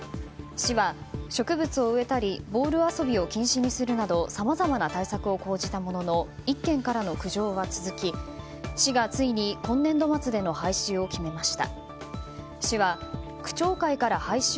市は、植物を植えたりボール遊びを禁止にするなどさまざまな対策を講じたものの１件からの苦情は続き市がついに今年度末での廃止を決めました。